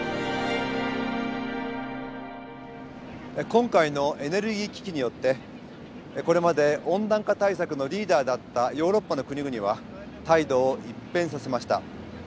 今回のエネルギー危機によってこれまで温暖化対策のリーダーだったヨーロッパの国々は態度を一変させました。